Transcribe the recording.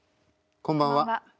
こんばんは。